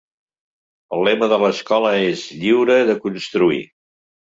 El lema de l'escola és "Lliure de construir".